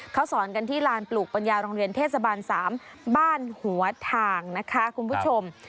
เขาสอนกันที่ลานปลูกปัญญาโรงเรียนเทศบาล๓บ้านหัวทางนะคะคุณผู้ชม